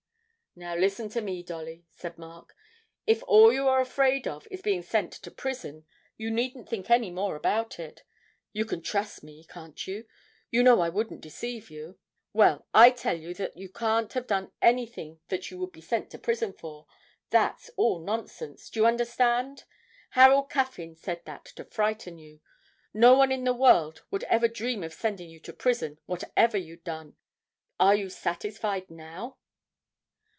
'Now listen to me, Dolly,' said Mark. 'If all you are afraid of is being sent to prison, you needn't think any more about it. You can trust me, can't you? You know I wouldn't deceive you. Well, I tell you that you can't have done anything that you would be sent to prison for that's all nonsense. Do you understand? Harold Caffyn said that to frighten you. No one in the world would ever dream of sending you to prison, whatever you'd done. Are you satisfied now?'